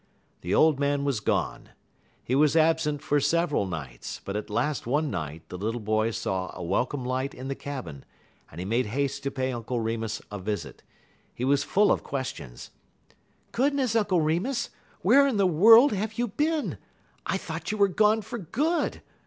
The old man was gone. He was absent for several nights, but at last one night the little boy saw a welcome light in the cabin, and he made haste to pay Uncle Remus a visit. He was full of questions: "Goodness, Uncle Remus! Where in the world have you been? I thought you were gone for good.